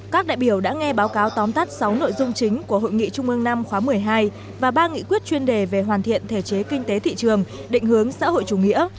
các đại biểu đã nghe báo cáo tóm tắt sáu nội dung chính của hội nghị trung ương năm khóa một mươi hai và ba nghị quyết chuyên đề về hoàn thiện thể chế kinh tế thị trường định hướng xã hội chủ nghĩa